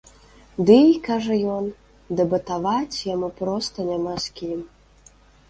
Дый, кажа ён, дэбатаваць яму проста няма з кім.